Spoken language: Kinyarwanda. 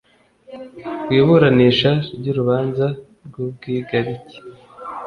w iburanisha ry urubanza rw ubwigarike